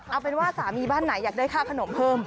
เอาเป็นว่าสามีบ้านไหนอยากได้ค่าขนมเพิ่ม